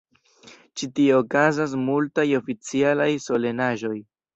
Ĉi tie okazas multaj oficialaj solenaĵoj.